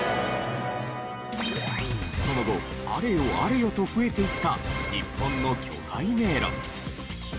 その後あれよあれよと増えていった日本の巨大迷路。